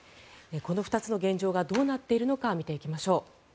この２つの現状がどうなっているのか見ていきましょう。